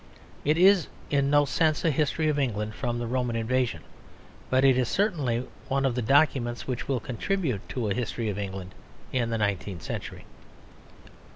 It is in no sense a history of England from the Roman invasion; but it is certainly one of the documents which will contribute to a history of England in the nineteenth century.